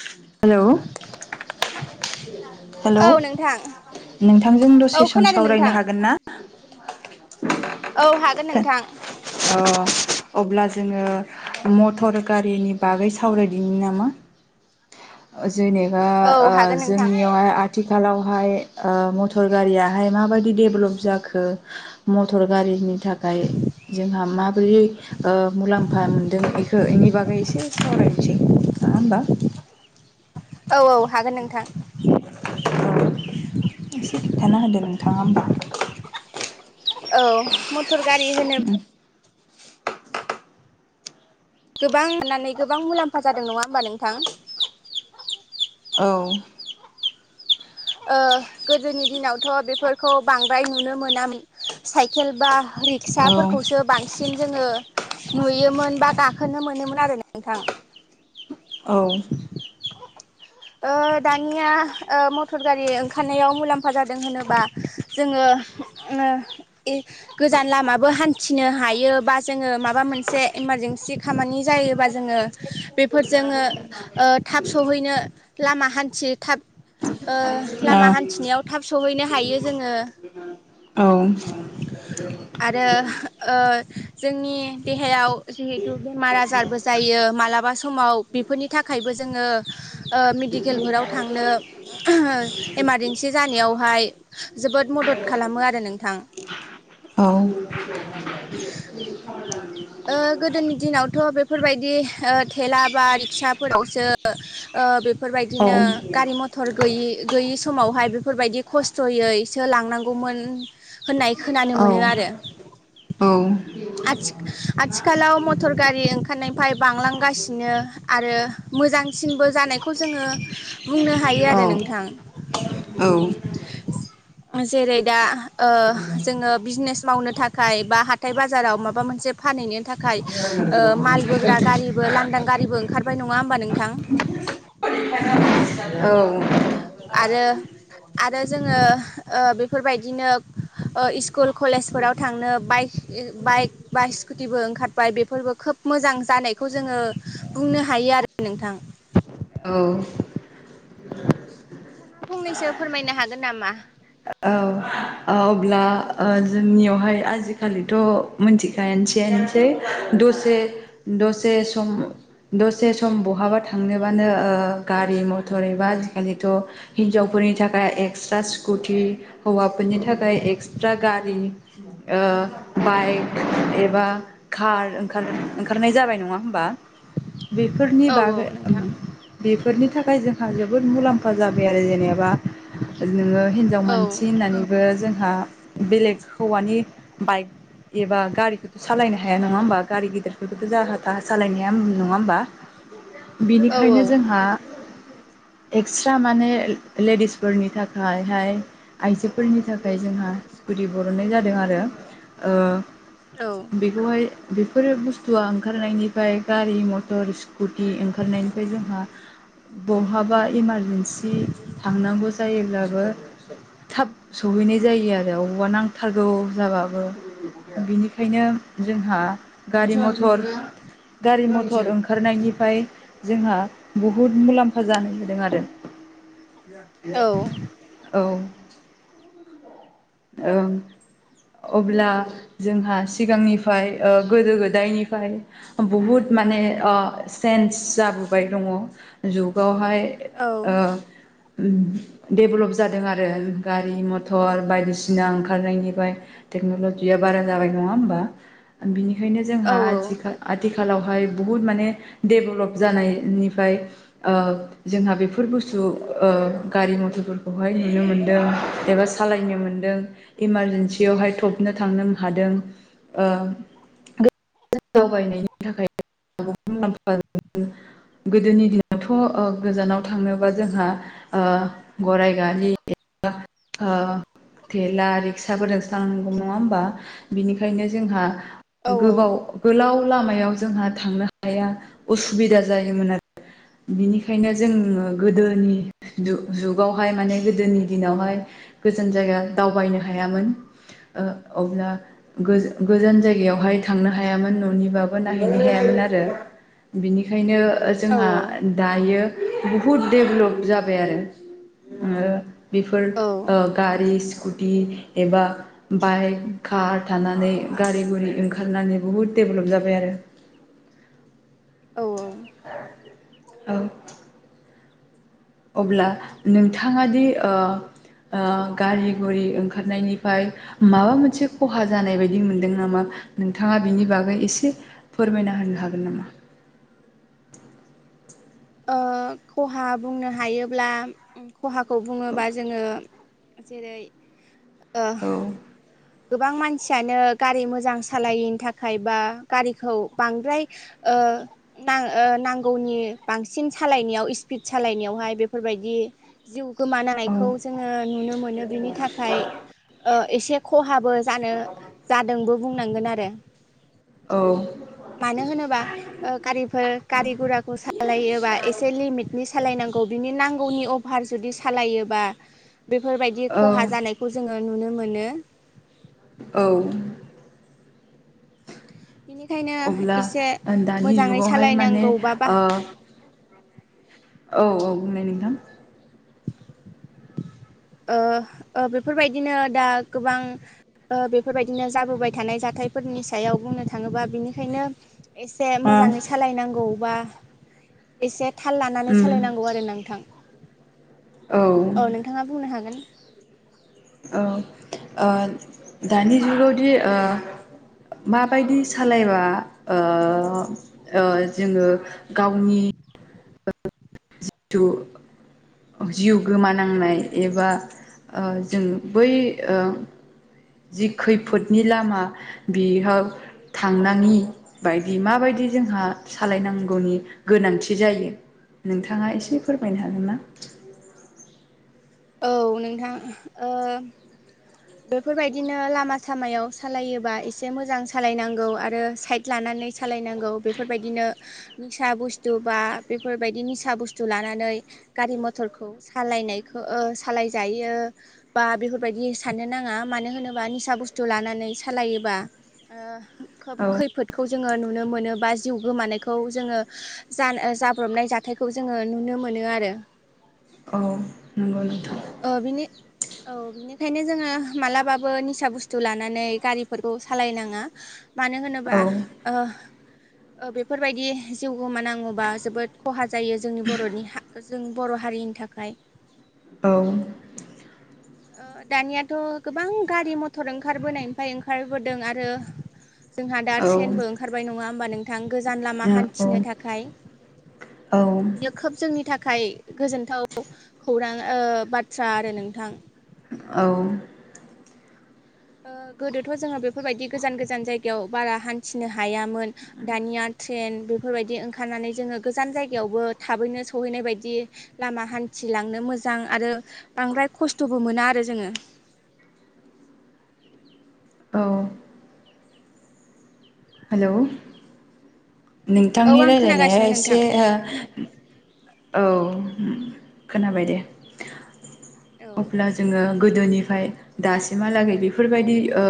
हेल'? Hello? औ नोंथां नोंथांजों औ दसे सम खोनादों नोंथां सावरायनो हागोनना? [inaudible] औ हागोन अ नोंथां। अब्ला जोङो मथर गारिनि बागै सावरायदिनि नामा? ओ जेनेबा औ ओ हागोन नोंथां जोंनियावहाय आथिखालाव हाय ओ मटर गारियाहाय माबायदि डेभलप जाखो मटर गारिनि थाखाय ओमफ्राय जोंहा माबोरै ओ मुलाम्फा मोन्दों बेखौ बेनि बागै एसे सावरायनोसै नङा होनबा औ औ हागोन नोंथां एसे खिथाना होदो नोंथाङा होमबा औ मटर गारि होनो गोबां [unintelligible] नानै गोबां मुलाम्फा जादों नङा होमबा नोंथां? औ ओ गोदोनि दिनावथ' बेफोरखौ बांद्राय नुनो मोना साइकेल बा औ रिक्साफोरखौसो बांसिन सिन जोङो नुयोमोन बा गाखोनो मोनोमोन आरो नोंथां औ ओ दानिया ओ मटर गारि ओंखारनायाव मुलाम्फा जादों होनोबा जोङो ओ गोजान लामाबो हान्थिनो हायो बा जोङो माबा मोनसे इमारजेन्सि खामानि जायोबा जोङो बेफोरजोंनो ओ थाब सहैनो लामा हान्थि थाब ओ लामा हान्थिनायाव थाब सहैनो हायो जोङो औ आरो ओ जोंनि देहायाव जिहेथु बेमार आजारबो जायो मालाबा समाव बेफोरनि थाखायबो जोङो ओ मेडिकेलफोराव थांनो इमारजेेनसि जानायावहाय जोबोद मदद खालामो आरो नोंथां औ ओ गोदोनि दिनावथ' बेफोरबायदि ओ थेला बा रिक्साफोरावसो ओ औ बेफोरबायदिनो गारि मथर गैयि गैयि समावहाय बेफोरबायदि खस्थयैसो लांनांगौमोन होननाय खोनानो मोनो आरो आथि-आथिखालाव मथर गारि ओंखारनायनिफ्राय बांलांगासिनो आरो मोजांसिनबो जानायखौ जोङो बुंनो हायो औ आरो नोंथां जेरै दा ओ जोङो बिजनेस मावनो थाखाय बा हाथाय बाजाराव माबा मोनसे फानहैनो थाखाय ओ मालबोग्रा गारिबो लानदां गारिबो ओंखारबाय नङा होमबा नोंथां [unintelligible] आरो आरो जोङो ओ बेफोरबायदिनो ओ स्कुल कलेजफोराव थांनो बाइक इ बाइक बा स्कुटिबो ओंखारबाय बेफोरबो खोब मोजां जानायखौ जोङो बुंनो हायो आरो नोंथां औ फंनैसो फोरमायनो हागोन नामा औ अब्ला ओ जोंनियावहाय आजिखालिथ' मिथिखायानोसैयानोसै दसे दसे सम दसे सम बहाबा थांनोबानो ओ गारि मथर एबा आजिखालिथ' हिनजावफोरनि थाखाय एक्सट्रा स्कुटि हौवाफोरनि थाख थाखाय एक्सट्रा गारिनि ओ बाइक एबा कार ओंखार-ओंखारनाय जाबाय नङा होमबा बेफोरनि औ बागै ओम नोंथां बे बेफोरनि थाखाय जोंहा जोबोद मुलाम्फा जाबाय आरो जेनेबा नोङो हिनजाव औ मानसि होननानैबो जों बेलेग हौवानि बाइक एबा गारिखौथ' सालायनो हाया नङा होमबा गारि गेदिरफोरखौथ' जाहा थाहा सालायनो हाया नङा होमबा औ बिनिखायनो जोंहा एक्सट्रा माने लेडिसफोरनि थाखायहाय आइजोफोरनि थाखाय खाय जोंहा स्कुिटि बरननाय जादों आरो ओ बेखौहाय बेफोरो बुस्थुआ ओंखारनायनिफ्राय गारि मथर स्कुटि ओंखारनायनिफ्राय जोंहा बहाबा इमारजेन्सि थांनांगौ जायोब्लाबो थाब स सहैनाय जायो आरो बबावबा नांथारगौ जाबाबो बेनिखायनो जोंहा गारि मथर गारि मथर ओंखारनायनिफ्राय जोंहा बहुद मुलाम्फा जानो होदों आरो औ [unintelligible] औ। ओं अब्ला जोंहा सिगांनिफ्राय ओ गोदो गोदायनिफ्राय बहुद माने चेन्स जाबोबाय दङ जुगावहाय औ। डेभलप जादों आरो गारि मथर बायदिसिना सिना ओंखारनायनिफ्राय टेक्नलजिया बारा जाबाय नङा होमबा बिनिखाय खायनो जोंहा आजिखाल आथिखाल आथिखालावहाय बहुत माने डेभेलप जानायनिफ्राय जोंहा बेफोर बुस्थु गारि मथरफोरखौहाय नुनो मोनदों एबा सालायनो मोनदों। इमारजेन्सियावहाय थबनो थांनो हादों। दावबायनायनि थाखाय मुलाम्फा गोदोनि दिनावथ' गोजानाव थांनोबा जोंहा गराय गारि थेला रिक्साफोरजों थांनांगौमोन नङा होमबा बिनिखायनो जोंहा औ गोबाव गोलाव लामायाव जोंहा थांनो हाया असुबिदा जायोमोन आरो बिनिखायनो जोङो गोदोनि जुगावहाय माने गोदोनि दिनावहाय गोजान जायगा दावबायनो हायामोन अब्ला गोजान जायगायावहाय थांनो हा यामोन न'निबाबो नायहैनो हायामोन आरो बिनिखायनो जोंहा औ औ दायो बुहुद डेभेलप जाबाय आरो। बेफोर गारि स्कुटि एबा बाइक कार थानानै गारि गुरि ओंखारनानै बुहुद डेभेलप जाबाय आरो। [inaudible] औ। अब्ला नोंथाङा दि गारि घरि ओंखारनायनिफ्राय माबा मोनसे खहा जानाय बायदि मोनदों नामा नोंथाङा बिनि बागै एसे फोरमायना होनो हागोन नामा। खहा बुंनो हायोब्ला खहाखौ बुङोबा जोङो जेरै ओ। औ गोबां मानसियानो गारि मोजां सालायैनि थाखाय बा गारिखौ बांद्राय ना नांगौनि बांसिन सालायनायाव स्पिड सालायनायावहाय बेफोरबायदि जिउ औ गोमानायखौ जोङो नुनो मोनो बिनि थाखाय एसे खहाब बो जानो जादोंबो बुंनांगोन आरो। औ मानो होनोबा गारिफोर गारि गुराखौ सा सालायोबा एसे लिमिटनि सालायनांगौ। बिनि नांगौनि अभार जुदि सालायोबा बेफोरबायदि खहा औ जानायखौ जोङो नुनो। मोनो। औ। बेनिखायनो अब्ला एसे दानि मोजाङै जुगावहाय माने सालायनांगौबा बा ओ औ औ बुंनाय नोंथां। ओ ओ बेफोरबायदिनो दा गोबां बेफोरबायदिनो जाबोबाय थानाय जाथायफोरनि सायाव बुंनो थाङोबा बिनिखायनो एसे मोजाङै ओ सालायनांगौबा एसे थाल लानानै उम सालायनांगौ आरो नोंथां। औ नोंथाङा बुंनो हागोन। औ ओ दानि जुगावदि ओ माबायदि सालायबा ओ ओ जोंङो गावनि जिथु जिउ गोमानांनाय एबा ओ जों बै ओ जि खैफोदनि लामा बेयाव थांनांङि बायदि माबायदि जोंहा सालायनांगौनि गोनांथि जायो नोंथां नोंथांङा एसे फोरमायनो हागोन ना? औ नोंथां ओ बेफोरबायदिनो लामा सामायाव सालायोबा एसे मोजां सालायनांगौ आरो साइद लानानै सालायनांगौ बेफोरबायदिनो निसा बुस्थु बा बेफोरबायदि निसा बुस्थु लानानै गारि मथरखौ सालायनायखौ ओ सालायजायो बा बेफोरबायदि साननो नांङा मानो होनोब्ला निसा बुस्थु लानानै सालायोबा ओ खोब हागोन खैफोदखौ जोंङो नुनो मोनो बा जिउ गोमानायखौ जोंङो जानो जाब्रबनाय जाथायखौ जोंङो नुनो मोनो आरो औ नंगौ नोंथां ओ बिनि औ बिनिखायनो जोंङो मालाबाबो निसा बुस्थु लानानै गारिफोरखौ सालायनांङा। मानो होनोबा औ ओ ओ बेफोरबायदि जिउ गोमानांगौबा जोबोद खहा जा जायो जोंनि बर'नि हा जों बर' हारिनि थाखाय औ दानियाथ' गोबां गारि मथर ओंखारबोनायनिफ्राय ओंखारबोदों आरो जोंहा दा औ ट्रेनबो ओंखारबाय नंङा होनोमबा नों गोजान लामा औ हान्थिनो थाखाय औ बियो खोब जोंनि नि थाखाय गोजोनथाव खौरां ओ बाथ्रा आरो नोंथां। औ गोदोथ' जोंङो बेफोरबायदि गोजान गोजान जायगायाव बारा हान्थिनो हायामोन दानिया ट्रेन बेफोरबायदि ओंखारनानै जोंङो गोजान जायगायावबो थाबैनो सहैनाय बायदि लामा हान्थिलांनो मोजां आरो बांद्राय खस्थ'बो मोना आरो जोंङो। औ हेलौ औ नोंथांनि आं रायलायनाया खोनागासिनो एसे नोंथां आ औ खोनाबाय दे औ अब्ला जोंङो गोदोनिफ्राय दासिमहालागै बेफोरबायदि ओ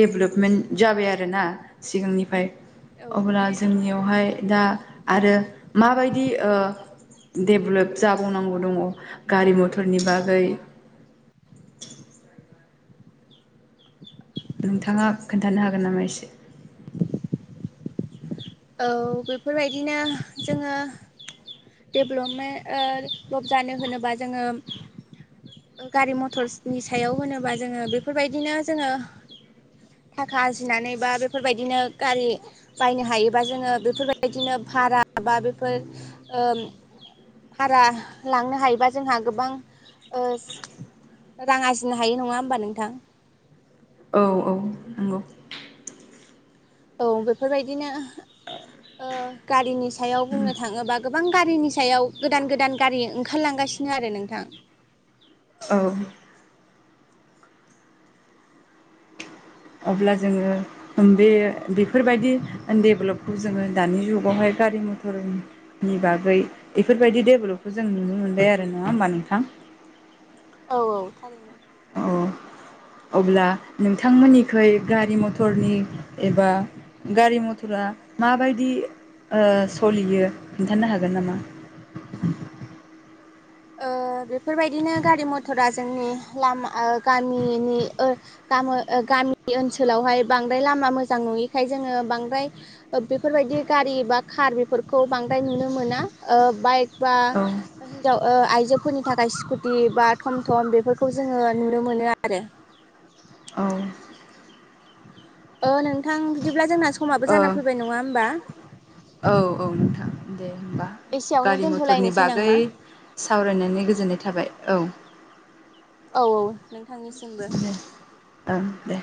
देभ्लपमेन्ट जाबाय आरोना सिगांनिफ्राय औ औ अब्ला जोंनियावहाय दा आरो माबायदि ओ देब्लभ जाबावनांगौ दंङ गारि मथरनि बागै [inaudible] नोंथांङा खोन्थानो हागोन नामा एसे? औ बेफोरबायदिनो जोंङो डेभ्लपमे ओ जानो होनोबा जोंङो गारि मटरसनि सायाव होनोबा जोंङो बेफोरबायदिनो जोंङो थाखा आरजिनानै बा बेफोरबायदिनो गारि बायनो हायो। बा जोंङो बेफोरबायदिनो भारा बा बेफोर ओ भारा लांनो हायोबा जोंहा गोबां ओ रां आरजिनो हायो नंङा होमबा नोंथां? औ औ नंगौ औ बेफोरबायदिनो ओ गारिनि सायाव बुंनो थांङोबा गो गोबां गारिनि सायाव गोदान गोदान गारि ओंखारलांगासिनो आरो नोंथां। औ अब्ला जोंङो बे बेफोरबायदि डेभलपखौ जोंङो दानि जुगावहाय गारि मथरनि बागै इफोरबायदि डेभेलपखौ जों नुनो मोनबाय आरो नङा होमबा नोंथां? औ औ थारैनो। औ अब्ला नोंथांमोननिखै गारि मथरनि एबा गारि मथरा माबायदि ओ सलियो खिन्थानो हागोन नामा? ओ बेफोरबायदिनो गारि मथरा जोंनि लामा ओ गामिनि ओ गामो गामि ओनसोलावहाय बांद्राय लामा मोजां नुयिखाय जोङो बांद्राय बेफोरबायदि गारि बा खार बेफोरखौ बांद्राय नुनो मोना ओ बाइक बा औ हिन्जाव ओ आइजोफोरनि थाखाय स्कुटि बा थम थम बेफोरखौ जोङो नुनो मोनो आरो। औ। ओ नोंथां बिदिब्ला जोंना समाबो ओ जाना फैबाय नङा होमबा औ औ नोंथां। दे होमबा एसेयावनो गारि मथरनि दोनथ'लायनोसै बागै नामा सावरायनानै गोजोननाय थाबाय औ। औ औ नोंथांनिसिमबो। दे ओं दे।